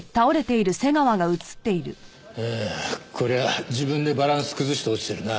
ああこりゃ自分でバランス崩して落ちてるな。